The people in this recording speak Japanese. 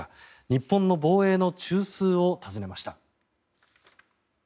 日本の防衛の中枢を訪ねました。